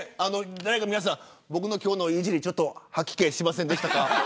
皆さん僕の今日のいじり吐き気しませんでしたか。